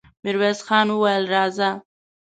ميرويس خان وويل: راځه!